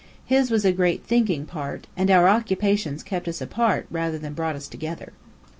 His was a great "thinking" part, and our occupations kept us apart rather than brought us together.